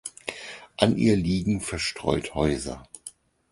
An ihr liegen verstreut Häuser.